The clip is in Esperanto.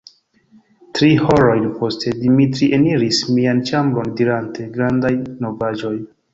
Tri horojn poste, Dimitri eniris mian ĉambron, dirante: "Grandaj novaĵoj!"